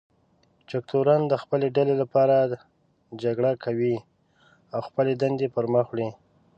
جګتورن د خپلې ډلې لپاره جګړه کوي او خپلې دندې پر مخ وړي.